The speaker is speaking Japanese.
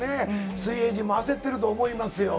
水泳陣も焦ってると思いますよ。